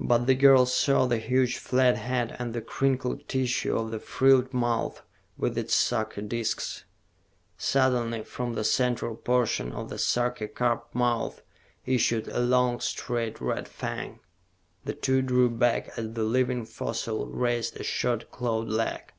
But the girl saw the huge flat head and the crinkled tissue of the frilled mouth with its sucker disks. Suddenly, from the central portion of the sucker cup mouth issued a long, straight red fang. The two drew back as the living fossil raised a short clawed leg.